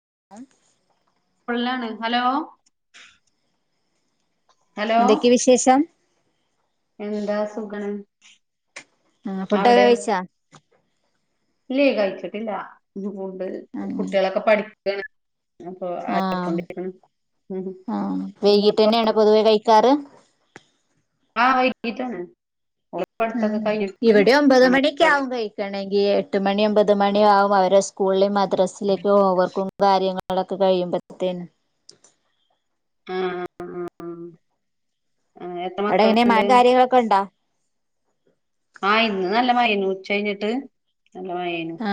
[unintelligible] ഫുള്ളാണ് hello hello എന്തൊക്കെ വിശേഷം എന്താ സുഖണ് ആ ഫുഡൊക്കെ കഴിച്ചോ ല്ലേ കഴിച്ചിട്ടില്ല കുട്ട്യേളൊക്കെ പഠിക്കാണ് അപ്പൊ ആ ആയിക്കൊണ്ടിരിക്കണ് ഉം ആ എന്താ ഇപ്പൊ? വൈകീട്ടെന്യാണൊ പൊതുവേ കഴിക്കാറ് ആ വെയ്കീട്ടന്നെണ് ആ ഇവിടെ ഒമ്പത് പഠി മണിക്കാവും കഴിക്കണെങ്കി ങ്കി എട്ട് മണി ഒമ്പത് മണിയാവും അവരെ സ്കൂളിലിം മദ്രസിലിം ഒക്കെ ഹോം വർക്കും കാര്യങ്ങ ളൊക്കെ കഴിയുമ്പത്തേന് ഉം അവ്ടെ എങ്ങനെ മഴ കാര്യങ്ങളൊക്കെണ്ടാ ആ ഇന്ന് നല്ല മഴേനു ഉച്ച കഞ്ഞിട്ട് നല്ല മഴേനു ആ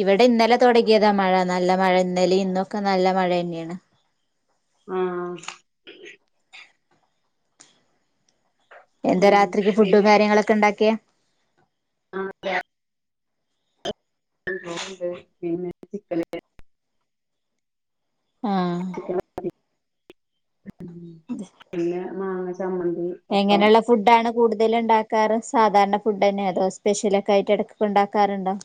ഇവിടെ ഇന്നലെ തൊടങ്ങിയതാ മഴ നല്ല മഴ ഇന്നലിം ഇന്നൊക്കെ നല്ല മഴന്നെണ് ആ എന്താ ഉം രാത്രിക്ക് ഫുഡും പിന്നെ കാര്യങ്ങളൊക്കെ ഉണ്ടാക്കിയെ ആ [unintelligible] ആഹ് പിന്നെ ആ എങ്ങനെയുള്ള ഫുഡ് ആണ്? കൂടുതല്ണ്ടാക്കാറ് സാധാരണ ഫുഡ് തന്നെ അതോ സ്പെഷ്യലൊക്കായിട്ട് അയിന്റെ ഇടക്ക് ഉണ്ടാക്കാറുണ്ടോ [inaudible]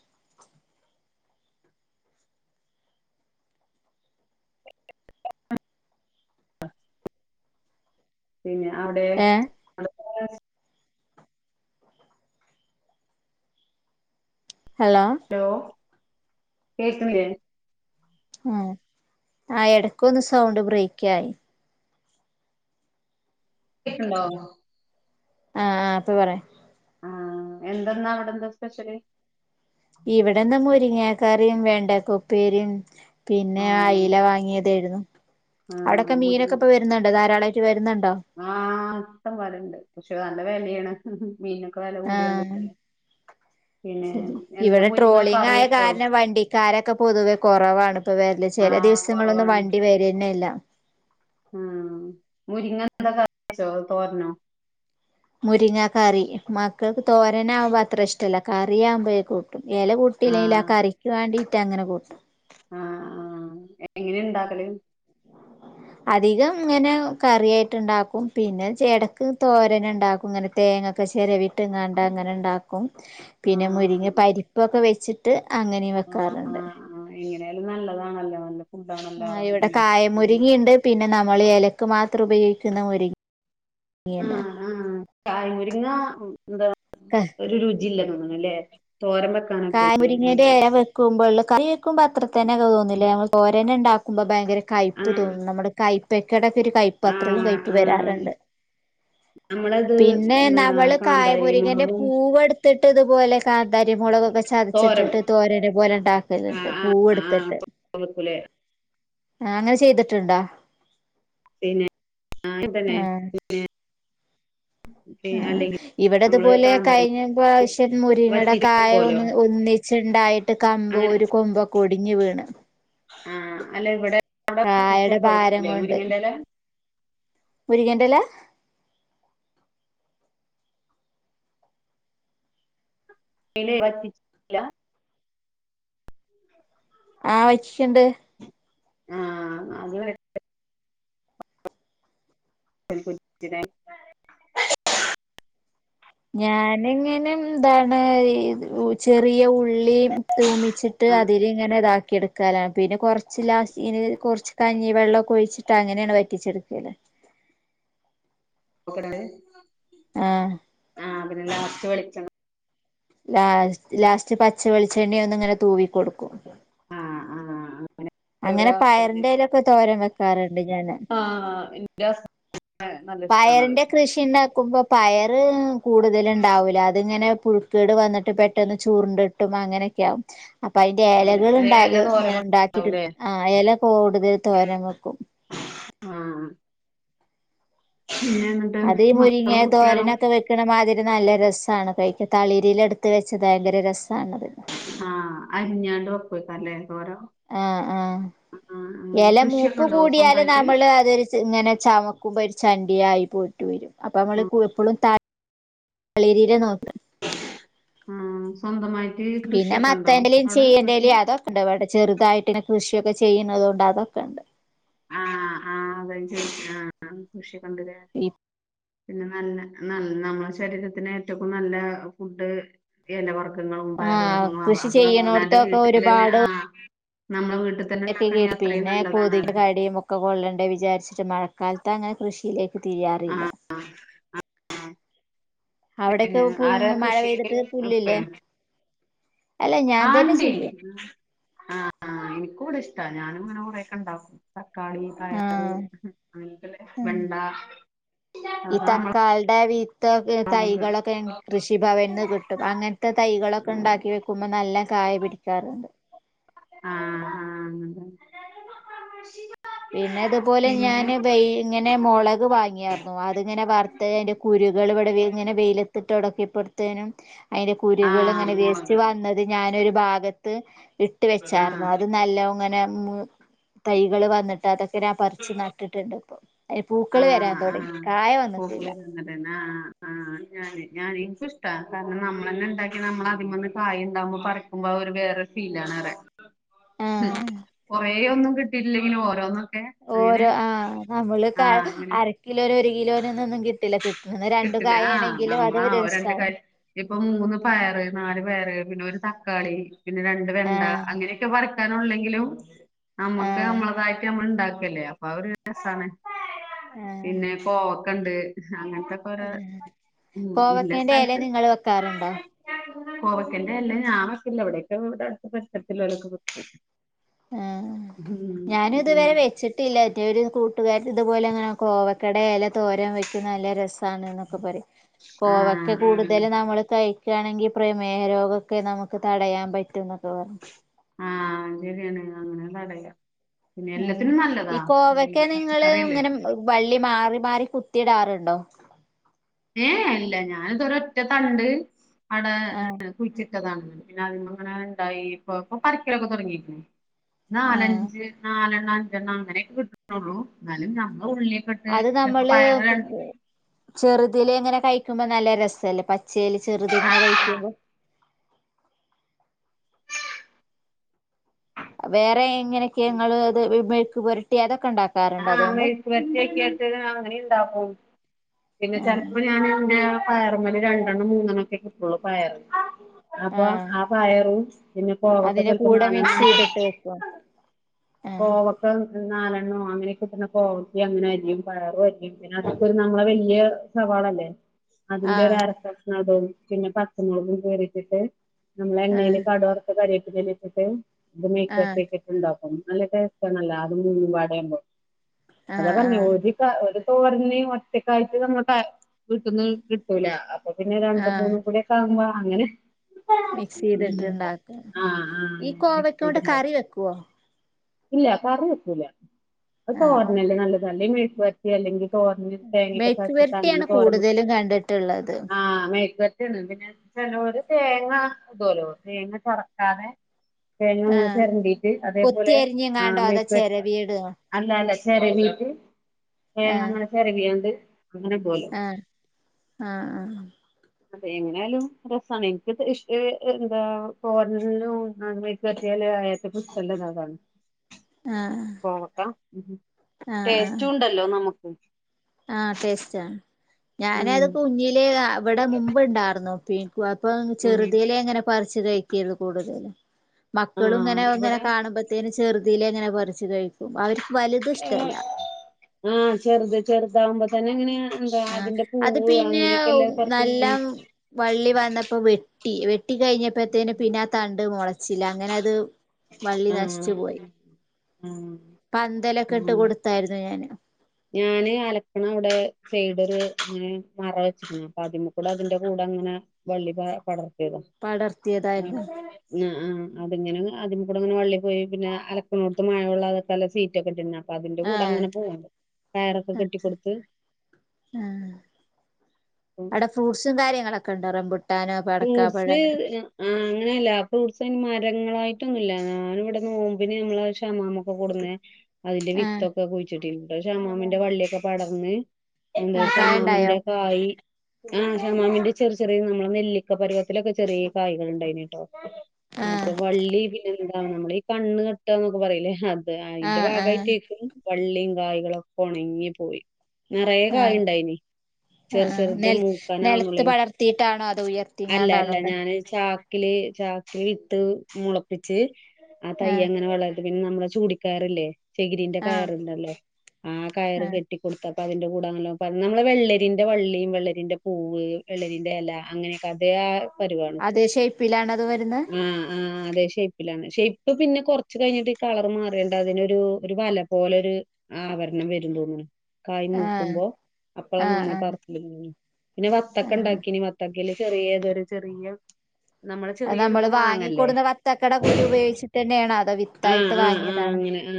പിന്നെ അവിടെ ഏ [unintelligible] ഹലോ കേക്ക്ണില്ലേ ആ ആ ഇടക്കൊന്ന് സൗണ്ട് ബ്രയിക്കായി കേക്ക്ണ്ടോ ആഹ് ആ ഇപ്പൊ പറ ആ എന്തെന്നാ അവിടെന്താ സ്പെഷ്യല് ഇവിടെന്ന് മുരിങ്ങക്കറിയും വേണ്ടക്കപ്പേരിം പിന്നെ ആഹ് അയ്ല വാങ്ങിയതേര്ന്നു ആഹ് അവിടെക്കെ മുരി മീനൊക്കെ ഇപ്പ വരുന്നുണ്ടോ ധാരാളായിട്ട് വരുന്നുണ്ടോ ആഹ് ഇഷ്ടംപോലെണ്ട് പക്ഷേ നല്ല വെലേണ് മീനൊക്കെ വെല ആ കൂടിയാണ്ട്ക്കാണ് ശരി ഇവിടെ കറി ട്രോളിംഗായ വെച്ചോ കാരണം വണ്ടിക്കാരൊക്കെ പൊതുവെ കുറവാണ് പ്പവര അല്ല ചില ആഹ് ദിവസങ്ങളൊന്നും വണ്ടി വരന്നല്ല ഉം മുരിങ്ങ എന്താ കറി വെച്ചോ അധോ തോരനോ മുരിങ്ങ കറി മക്കൾക്ക് തോരനാകുമ്പം അത്ര ഇഷ്ടല്ല കറിയാകുമ്പോ കൂട്ടും ഇല കൂട്ടില്ലെലും ആ കറിക്ക് വാണ്ടിട്ട് അങ്ങനെ കൂട്ടും ആ ആ എങ്ങനെ ണ്ടാക്കല് [inaudible] അധികം ങ്ങനെ കറിയായിട്ട് ണ്ടാക്കും പിന്നെ എടക്ക് തോരന്ണ്ടാക്കും ഇങ്ങനെ തേങ്ങ. ഒക്കെ ചേരിവിട്ട്ങ്ങാണ്ടങ്ങനെണ്ടാക്കും. പിന്നെ ആഹ് മുരിങ്ങ പരിപ്പൊക്കെ വെച്ചിട്ട് അങ്ങനെയും വെക്കാറുണ്ട്. നല്ലതാണല്ലേ വല്ല [inaudible] ആ ഇവിടെ കായം മുരിങ്ങിണ്ട് പിന്നെ നമ്മള് ഇലക്ക് മാത്രം ഉപയോഗിക്കുന്ന മുരിങ്ങി. ആഹ ആഹ കായമുരിങ്ങ എന്താ ഒരു രുചി [inaudible] [unintelligible] ജില്ലന്ന് തോന്ന്ണ്ല്ലേ [inaudible] കായ മുരിങ്ങേന്റെ എല വെക്കുമ്പോ കറി വെക്കുമ്പോ അത്ര തന്നെ ഒക്കെ തോന്നില്ല നമ്മ തോരന്ണ്ടാക്കുമ്പോ [inaudible] [unintelligible] മ്പോ ഭയങ്കര കൈപ്പ് ആഹ് തോന്നും നമ്മുടെ കൈപ്പക്കടെ. ഒരു കയ്പ്പ് അത്രയും ആഹ് കയ്പ്പ് ആഹ് വരാറുണ്ട്. നമ്മളത് പിന്നെ എന്താ നവള് കാന്താരി കായമുരിങ്ങന്റെ മുളകും പൂവെടുത്തിട്ട് [unintelligible] [inaudible] ഇതുപോലെ കാന്താരി മുളക [inaudible] [unintelligible] തോരൻ ചതച്ചിട്ടിട്ട് തോരനെ പോലെ ഉണ്ടാക്കല്ണ്ട്‌ ആഹ് ആഹ് പൂവെടുത്തിട്ട്. ആഹ് വെക്കൂലേ ആഹ് അങ്ങനെ ചെയ്തിട്ടുണ്ടോ? പിന്നെന്നെ ആ പിന്നെ [inaudible] ആഹ് [unintelligible] ആ നമ്മള് ഇവിടെതുപോലെ കാന്താരി കഴിഞ്ഞ പ്രാവശ്യം മുരിങ്ങളയുടെ വറ്റിട്ട് കായ വെക്കോലോ ഒന്ന് ഒന്നി [unintelligible] ച്ച്ണ്ടായിട്ട് കമ്പോ അങ്ങനെ ഒരു കൊമ്പൊക്കെ ഒടിഞ്ഞ് വീണ്. ആഹ് അല്ല ഇവിടെ കായയുടെ [unintelligible] ഭാരം കൊണ്ട് മുരിങ്ങൻന്റെല്ല. മുരിങ്ങന്റെല? [unintelligible] [unintelligible] [inaudible] ആഹ് വച്ചിട്ടുണ്ട്. ആഹ് അത് [inaudible] [unintelligible] ഞാനെങ്ങനെന്താണ് ചെറിയ ഉ [inaudible] ള്ളി തൂമിച്ചിട്ട് ആഹ് അതിൽ ഇങ്ങനെ താക്കി. ക്കി [inaudible] എടുക്കലാണ് പിന്നെ കുറച്ച് ലാസ് ഇ കൊറച്ച് കഞ്ഞി വെള്ളൊക്കെ ഒഴിച്ചിട്ട ങ്ങനേണ് വറ്റിച്ചെടുക്കല് [unintelligible] [unintelligible] [inaudible] ആഹ്. ആഹ് ലാസ്റ്റ് വെളിച്ചെണ്ണ. ലാസ് ലാസ്റ്റ് പച്ചവെളിച്ചെണ്ണയ ഒന്ന ഇങ്ങനെ തൂവിക്കൊടുക്കും. ആഹ് ആ പയറിന്റെ ഇലൊക്കെ തോരൻ വെക്കാറുണ്ട് ഞാന് ആഹ് ന്റെ - [inaudible] [unintelligible] പയറിന്റെ കൃഷി ണ്ടാക്കുമ്പോ പയർ കൂടുതല ഉണ്ടാവൂല അതിങ്ങനെ [unintelligible] പുഴുക്കേട് വന്നിട്ട് പെട്ടന്ന് ചുരുണ്ടട്ടും ഇട്ടും അങ്ങനൊക്കെയ ആകും. അപ്പൊ അതിന്റെ പിന്നെ ലകൾ [unintelligible] ണ്ടാക എല്ലതും ഓരോ ങ്ങനെ ണ്ടാക്കിട്ട്- ഉണ്ടാവൂലേ ആഹ് ഇല കൂടുതൽ തോരൻ വെക്കും. ആഹ് പിന്നെ എന്നിട്ട് അത് മുരിങ്ങ മക്കളും കുട്ടികളും തോരനൊക്കെ വെക്കണ മാതിരി. നല്ല രസണ് കഴിക്ക തളിരില എടുത്ത് വെച്ചത് ഭയങ്കര രസണത്. ആഹ് അരിഞ്ഞാണ്ട് വക്കക്ക അല്ലേ? ആഹ് ആഹ്. ആഹ് ഇല കൃഷിയൊക്കെ മൂപ്പ് ഉണ്ടോ കൂടിയാല് സ്വന്തായിട്ട് നമ്മള് അതൊരു ഇങ്ങനെ ചമക്കുമ്പ- [unintelligible] ചണ്ടിയായി പോയിട്ട് വരും അപ്പൊ നമ്മള് ആഹ് എപ്പോഴും ത- [unintelligible] തളിരിര നോക്ക് - [inaudible] ആഹ സ്വന്തമായി. [unintelligible] പിന്നെ മത്തേന്റെലും ചെയ്യന്റെേലും അതൊെപാട- [inaudible] [unintelligible] ചെറുതായിട്ടിന്നെ കൃഷിയൊക്കെ ചെയ്യുന്നത കൊണ്ട് അതൊക്കെ ണ്ട്. [unintelligible] [inaudible] ആ ആ് അത ആ കൃഷിക്കൊണ്ടരാ- [inaudible] [unintelligible] പിന്നെ നല്ല ന നമ്മളെ ശരീരത്തിന് ഏറ്റക്കും നല്ല ഫുഡ് ഇലവറക്ക- [inaudible] [unintelligible] ഗങ്ങളും പയർ ആഹ് വർഗ്ഗങ്ങളും കൃഷി അത്‌ പറഞ്ഞ അവനവന്റെ ചെയ്യണോടത്തൊക്കെ വീട്ടിൽ തന്നെ ആ നമ്മുടെ വീട്ട- ഇക്കെ കേ പിന്നെ കോതിന്റെ കടിം - ഒക്ക കൊള്ളണ്ടേ വിചാരിച്ചിട്ട് മഴക്കാലത്ത് അങ്ങനെ കൃഷിയിലേക്ക് തിരിയാറില്ല. ആഹ് അവിടൊക്കെ പിന്നെ ആരാ മഴ പെയ്തിട്ട് പുല്ലില്ലേ? അല്ല ഞാൻ ആ തന്നെ ണ്ടെ ചെയ്യും ആ എനിക്കുവടെ ഇഷ്- ഇഷ്ടാ ഞാനും ഇങ്ങനെ കുറേക്ക ണ്ടാക്കും തക്കാളി പയറ് ആഹ് അങ്ങനക്കല്ല ഉം വെണ്ട ഈ അത നമ്മ- തക്കാളിടെ തൈകളൊക്കെ കൃഷിഭവനി നിന്ന് കിട്ടും അങ്ങനത്തെ തൈകളൊക്കെ ണ്ടാക്കി. വെക്കുമ്പോ നല്ല കായ പിടിക്കാറുണ്ട്. ആഹ് ആഹ് അത. പിന്നെ ഇതുപോലെ ഞാൻ വ ഇങ്ങനെ മുളക് വാങ്ങിയായിരുന്നു അതിങ്ങനെ വറുത് അതിന്റെ കുരു- ഇവിടെ ഇങ്ങനെ വെയിലെത്ത് - ടക്കിയപ്പോഴത്തേനും അതിന്റെ ആ കുരികൾ ഇങ്ങനെ വേസ്റ്റ് മുളക് വന്നത് ഞാനൊരു ഭാഗത്ത്‌- ഇട്ട് ആ വെച്ചർരുന്നു അത് നല്ലോം ങ്ങനെ തൈകൾ വന്നിട്ടതൊക്കെ - ഇന പറിച്ചു നട്ടിട്ടുണ്ട് ഇപ്പൊ അതിന് ആ പൂക്കള് വരാൻ ആ തുടങ്ങി കായ വന്നിട്ടില്ല. [unintelligible] ഞ ഞാൻ എനിക്കും ഇഷ്ട കാര നമ്മളന്നെ ഉണ്ടാക്കി നമ്മള അതിം മന്ന് കായ ഉണ്ടാവുമ്പോ പറക്കുമ്പോ അവര് വേറ- ആഹ് [unintelligible] കൊറെേ ഒന്നും കിട്ടില്ലെങ്കിലും ഓരോന്ന്. ഓരോ ആ നമ്മള് അങ്ങനെ അര കിലോനോ ഒരു കിലോനോ ഒന്നും കിട്ടില്ല- കിട്ടണത് രണ്ടു കിട്ടില്ല ആ കായാണെങ്കിലും അത് നമ്മളാ ഒരു ഓരോ രസാണ് കാര്യം ഇപ്പൊ മൂന്ന് പയർ നാല് പയർ - പിന്നെ ഒരു തക്കാളി പിന്നെ രണ്ട് വെണ്ട ആഹ് അങ്ങനെയൊക്കെ പറിക്കാനുള്ളെങ്കിലും- നമ്മുക്ക് ആഹ് നമ്മളതായിട്ട് നമ്മ ണ്ടാക്കല്ലേ അപ്പൊ ആ ഒരു രസാണ്. പിന്നെ കൊവക്കണ്ട് അങ്ങന- ഉ കോവക്കേന്റെ ഇല സ്ഥലത്ത് നിങ്ങള് വെക്കാറുണ്ടോ? കോവക്കന്റെ ഇല ഞാൻ വക്കാറില്ല വിടെയൊക്കെ ഇവിടെ അടുത്തെ പരിസരത്തിള്ളോ ലോക്കെ വെക്കും. ആ ഉം ഞാനും ഇതുവരെ പിന്നെ വെച്ചിട്ടില്ല എ ഒരു കൂട്ടുകാരത്തി ഇതുപോലെ അങ്ങനെ- കോവക്കാടെ ഇല തോരം വെക്കും നല്ല രസ് - സാനൊക്കെക്കെ പറയ് കോവക്കെ ആഹ് ആഹ് കൂടുതൽ നമ്മള് കഴി ക്ക ആണെങ്കിൽ പ്രമേഹരോഗമൊക്കെ നമുക്ക് തടയാൻ പറ്റും എന്നൊക്കെ പറ ആഹ് അങ്ങനെയാണ് അങ്ങനെ തടയാം ആഹ് ഈ കോവക്കെ നിങ്ങള് പച്ചക്കറിയല്ലേ ഇങ്ങനെ വള്ളി മാ മാറി മാറി കുത്തിയിടാറുണ്ടോ ഏ ഏ ഇല്ല ഞാൻ ഇതൊരു ഒറ്റത്തണ്ട് അടെ ആഹ് കുഴിച്ചി ണ്ടായി പിന്നെ അതിമേ ഇങ്ങനെ ഇണ്ടായി ഇപ്പ പറിക്കിലൊക്കെ തൊടങ്ങി ആഹ് നാലഞ്ച് നാലെണ്ണം അഞ്ചെണ്ണം അങ്ങനെയൊക്കെ കിട്ടുനുള്ളൂ അത് നമ്മള് പയറ് രണ്ട് ചെറുതിലേ ഇങ്ങനെ കഴിക്കുമ്പോ നല്ല രസല്ലേ പച്ചേൽ ചെറുത് ആ ഇങ്ങനെ കഴിക്കുമ്പോ വേറെ ഇങ്ങനെക്കെ ഞങ്ങള്ള് അത് മെഴക്ക് പൊരട്ടി ആത ആഹ് മെഴുക്കുപരട്ടി ആക്കിയേണ്ട് അങ്ങനെണ്ടാക്കും പിന്നെ ആഹ് ചെലപ്പോ ഞാൻ പിന്നെ പയറുമൽ രണ്ടെണ്ണം മൂന്നെണ്ണം ഒക്കെ കിട്ടതുള്ളു പയർ അപ്പൊ ആഹ് ആ പയറും പിന്നെ കോവയ്ക്ക അതിന്റെ ചെലപ്പോ കൂടെ മിക്സ് നാലണ്ണം ചെയ്തിട്ട് വെക്കും ആഹ് കോവയ്ക്ക നാലെണ്ണ ണ്ണോം അങ്ങനെ കിട്ടുന്ന കോവയ്ക്കേം അങ്ങനെ അരിയും പയറും അരിയും പിന്നെ അതുപോലെ നമ്മളെ വലിയ സവാളയില്ലേ അതിന്റെ ഒരു ആഹ് അരകഷ്ണംടും പിന്നെ പച്ചമുളകും കീറി ഇട്ടിട്ട് നമ്മൾ എണ്ണയിൽ ആഹ് കടുവറുത്ത് കറിവേപ്പിലല്ലാം ഇട്ടിട്ട് ഇത് ആഹ് മേഴുക്കുപരട്ടികേ ഉണ്ടാവും നല്ല ടേസ്റ്റ് ആണല്ല അത് മൂന്നും പാടയുമ്പം അതാ ആഹ് പറഞ്ഞെ ആഹ് ഒരു കാ ഒരു അപ്പൊ പറഞ്ഞ് ഒറ്റക്കായിട്ട് നമ്മൾ കരണ്ട് വീട്ടന്ന് കിട്ടൂല്ല അപ്പോ പിന്നെ രണ്ട് ആഹ് മൂന്നും കൂടിയെക്കെ ആകുമ്പോ അങ്ങനെ മിക്സ് ചെയ്തിട്ടുണ്ടാക്കും ആഹ് ഈ ആഹ് കോവയ്ക്കോണ്ട് [unintelligible] കറി വെക്കുവോ ഇല്ല കറിവയ്ക്കൂല്ല ആഹ് തോരനല്ലേ നല്ലത് അല്ലേ മെഴുക്കുപുരട്ടി അല്ലെങ്കിൽ തോരൻ തേങ്ങയൊക്കെ മെഴുക്ക് ചതച്ചിട്ട് അങ്ങനെ പുരട്ടിയാണ് തോരൻ വക്കും കൂടുതലും കണ്ടിട്ടുള്ളത് ആ മെഴുക്കുപരട്ടി ചിലോര് തേങ്ങ ഇതലോ തേങ്ങ ചൊറക്കാതെ തേങ്ങ ഇങ്ങനെ ആഹ് ചിരണ്ടീട്ട് കൊത്തി അതേപോലെ അ അരിഞ്ഞെങ്ങാണ്ടോ അതോ മെഴുക്കുപുരട്ടി ചെരവിയിടോ അല്ല ല്ല ചെരവീട്ട് തേങ്ങ ഇങ്ങനെ ചെരവിയൊണ്ട് അ അ അ അതെ എങ്ങനയാലും രസാണ് എനിക്ക് ഇഷ്ടം എന്താ തോരനും മെഴുക്കുപുരട്ടി ല്ല നേരത്തെ [unintelligible] [inaudible] ആഹ് പോക്ക ടേസ്റ്റ് ഉണ്ടല്ലോ നമുക്ക് അ ടെസ്റ്റ് ആണ് ഞാനത് ഉം കുഞ്ഞിലെ അവിടെ മുമ്പ് ഉണ്ടാരുന്നു പ്പി അപ്പം ഉം ചെറുതിലെ എങ്ങനെ പറിച്ചു കഴിക്കരുന്നു കൂടുതൽ മക്കളും ആഹ് ഇങ്ങനെ അങ്ങനെ ഇവിടെ കാണുമ്പത്തേനും ചെറുതിലെ എങ്ങനെ പറിച്ച് കഴിക്കും അവർ ഉമ് ചെറുത് ചെറുതാവുമ്പോ തന്നെ എങ്ങനെയ ആഹ് അത് പിന്നെ പറച്ച് നല്ല വള്ളി വന്നപ്പോ വെ വെട്ടി വെട്ടി കഴിഞ്ഞപ്പോഴത്തേന് പിന്നാ തണ്ട് മൊളച്ചില്ല അങ്ങനെ അത് വള്ളി നശിച്ചു ആഹ് പോയി ആഹ് പന്തലൊക്കെ ഇട്ട് ആഹ് കൊടുത്തായിരുന്നു ഞാന് ഞാന് അലക്കണ അവിടെ സൈഡര് ഇങ്ങനെ മറ വെച്ചിന്നു അപ്പൊ അതിമകൂടെ അതിന്റെ കൂടെ അങ്ങനെ വള്ളി പ പടർത്തിയതാ അ പടർത്തിയതായിരുന്നു അ അ അതിങ്ങനെ അതിം കൂടി അങ്ങനെ വള്ളി പോയി പിന്നെ അലക്കിനോടുത്ത് മഴമുള്ളതൊക്കെല്ല സീറ്റൊക്കന്ന അതിന്റെ ആ കൂടെ അങ്ങനെ പോണുണ്ട് കയറൊക്കെ കെട്ടിക്കൊടുത്ത് ആ ഉമ് ങ്ങളക്കെ ഉണ്ട് റംബൂട്ടാ ഫ്രൂട്ട്സ് അങ്ങനെയല്ല ഫ്രൂട്ട്സിന്റെ മര ങ്ങളായിട്ടൊന്നുമില്ല ഞാനിവിടെ നോമ്പിന് ഞമ്മൾ ക്ഷമാമൊക്കെ കൊടുന്നേ അതിന്റെ ആ വിത്തൊക്കെ കുഴിച്ചിട്ടിണ്ട് ഷമാമിന്റെ വള്ളിയൊക്കെ പടർന്ന് എന്താ ആഹ് കായണ്ടായോ ഷമാമിന്റെ കായ് ആഹ് ഷമാമിന്റെ ചെറ ചെറിയ നമ്മളെ നെല്ലി ക്ക പവത്തിലൊക്കെ ചെറിയ കായികൾ ഉണ്ടായിട്ടോ ആഹ് അപ്പൊ വള്ളി പിന്നെ- നമ്മള് ഈ കണ്ണ് കെട്ടന്നൊക്കെ പറീലെ അത് അയ്ന്റെ ആഹ് ആഹ് ഭാഗായിട്ടേക്കും വള്ളീം കായ്കളൊക്കെ ഉണങ്ങി പോയി നിറയ ആഹ് കായിണ്ടായിനി ആഹ് ചെറു ആഹ് ചെറുത് നെൽ നെലത്ത് മൂക്കാനാള്ളെനി പടർത്തിയിട്ടാണോ അതോ അല്ല ഉയർത്തിങ്ങാണ്ടാണോ അല്ല ഇണ്ടാ ഞാൻ ച- ചക്കില് ചാക്കില് വിത്ത് മുളപ്പിച്ച് ആ ആഹ് തയ്യങ്ങനെ വളർ- പിന്നെ നമ്മളെ ചൂടിക്കറല്ലേ ചെകിരിന്റെ ആഹ് കയറുണ്ടല്ലേ ആ കയറ് ആഹ് കെട്ടിക്കൊടുത്ത- അപ്പ അതിന്റെ കൂടെ അണലോ നമ്മളെ വെള്ളരിന്റെ വള്ളി വെള്ളരിന്റെ പൂവ് വെള്ളരിന്റെ എല അങ്ങനെ- കതെയാ പരുവാണ് അതേ ഷേപ്പിലാണോ അത് വരുന്നെ ആ ആ അതേ ഷേ [unintelligible] ഷേപ്പ് പിന്നെ കൊറച്ച് കഴിഞ്ഞിട്ട് കളർ മാര്യാണ്ട് അതിനൊരു ഒരു വല പോലൊരു ആവര്ണ - ന വെ തോന്നുന്നു ആഹ് കായ്മൂക്കുമ്പോ അപ്പളാ ആഹ് നമ്മള് ആഹ് പറത്തി പിന്നെ വത്തക്ക ആഹ് ഉണ്ടാക്കിന വത്ത- ചെറിയതൊരു ചെറിയ- നമ്മളെ അത് നമ്മള് ചെറിയൊര് മാങ്ങല്ലേ വാങ്ങിക്കൊടുന്ന വത്തക്കട കുരു ഉപയോഗിച്ചിട്ടെന്നേണോ അതോ അ വിത്തായിട്ട് അ അ വാങ്ങിയതാണോ അങ്ങനെ ആ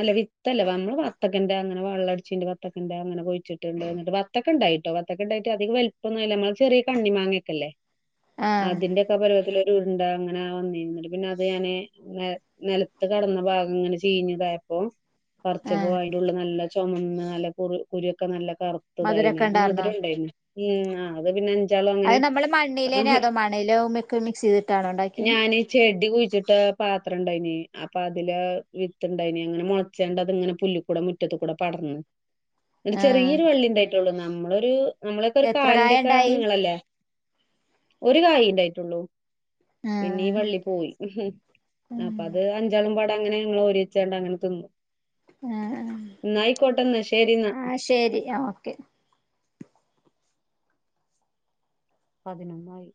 അല്ല വിത്തല്ല [unintelligible] വത്തക്കൻന്റെ അങ്ങനെ വെള്ളടിച്ചിണ്ട് വത്തക്കൻന്റെ അങ്ങനെ കുയ്ച്ചിട്ട് എന്നിട്ട് വത്തക്ക ഉണ്ടായിട്ടോ വത്തക്ക ഉണ്ടായിട്ട് അധികം വെൽ- ഇപ്പൊന്നുമല്ല നമ്മള് ചെറിയ കണ്ണിമാങ്ങക്കെല്ലേ - ആഹ് അതിന്റെക്കെ പരുവത്തില് - [unintelligible] അങ്ങനെ വന്നിനി പിന്നെ അത് ഞാന് നിലത്ത് കടന്ന ഭാഗം ഇങ്ങനെ ചെയീഞ്ഞതായപ്പോ പറിച്ചപ്പോ ആഹ് അയിന്റെ ഉള്ള് നല്ല ചുമന്ന നല്ല കുറി കുരുയൊക്കെ നല്ല- കറുത്ത്തായീണ് മധുരൊക്കെ ഇണ്ടാർന്നോ മധുരം ഉണ്ടായി ഉ അത് പിന്നെ- അഞ്ചാളും അത് അങ്ങനെ നമ്മള് ആ മണ്ണിലേന്യോ അതോ മണല്ലോ ഒക്കെ മിക്സ് ചെയ്തിട്ടാണോ ഉണ്ടാക്കിയത് ആദ്യം കുഴിച്ചിട്ട് പത്രം ണ്ടായീനി അപ്പതില് വിത്ത്ണ്ടായീനി അങ്ങനെ മൊൾച്ചാണ്ട് അത്ങ്ങനെ പുല്ല് മുറ്റത്ത് കൂടെ പടർന്ന് ന്ന്ട്ട് ആഹ് ചെറിയൊരു വള്ളിയിണ്ടായിട്ടള്ളൂ നമ്മളൊരു- നമ്മളൊക്കെ ഒരു എത്ര കായ കാലിന്റക്കെ ഇണ്ടായി നീളല്ലേ ഒരു കായ്ണ്ടായ്ട്ടൊള്ളൂ പിന്നീ ആഹ് വള്ളി പോയി അപ്പൊ ആഹ് അത് അഞ്ചാളും - അങ്ങനെ ഞങ്ങൾ ഓര്യേചാണ്ട് അങ്ങനെ തിന്നു ആഹ് ആഹ് ന്നായ്കോട്ടെന്നാ ശേരിന്നാ ആഹ് ശരി ഓക്കെ പതിനൊന്നായ്